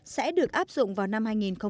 sẽ được áp dụng vào năm hai nghìn một mươi tám